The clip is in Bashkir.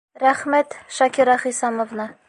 Рәхмәт, Шакира Хисамовна.